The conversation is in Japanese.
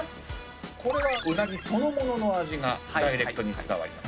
これはうなぎそのものの味がダイレクトに伝わります。